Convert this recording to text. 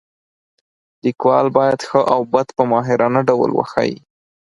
لیکوال باید ښه او بد په ماهرانه ډول وښایي.